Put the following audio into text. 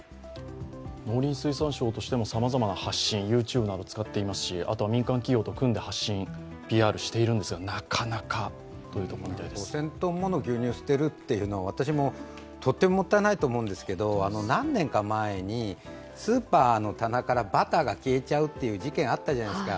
農林水産省としてもさまざまな発信、ＹｏｕＴｕｂｅなど使っていますしあとは民間企業と組んでＰＲしているんですが５０００ｔもの牛乳を捨てるって私もとてももったいないと思うんですけれども、何年か前にスーパーの棚からバターが消えちゃうっていう事件があったじゃないですか。